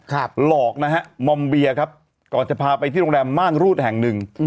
หลอกมอมเบียก่อนจะพาไปที่โรงแรมม่านรูดแห่งนึง